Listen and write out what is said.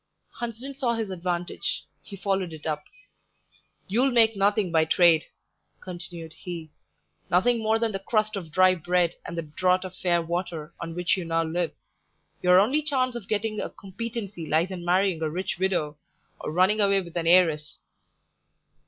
Hunsden saw his advantage; he followed it up. "You'll make nothing by trade," continued he; "nothing more than the crust of dry bread and the draught of fair water on which you now live; your only chance of getting a competency lies in marrying a rich widow, or running away with an heiress."